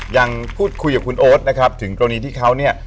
ยังพูดคุยกับคุณโอ๊ตนะครับถึงกรณีที่เขาเนี่ย